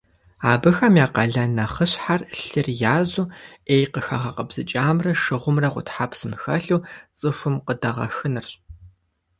Абыхэм я къалэн нэхъыщхьэр - лъыр язу, ӏей къыхагъэкъэбзыкӏамрэ шыгъумрэ гъутхьэпсым хэлъу цӏыхум къыдэгъэхынырщ.